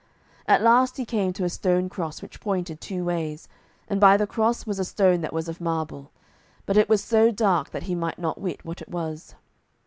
At last he came to a stone cross, which pointed two ways, and by the cross was a stone that was of marble; but it was so dark that he might not wit what it was.